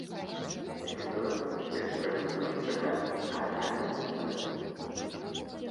Як і тое, што іх трэба не толькі чакаць, а рэальна нешта рабіць.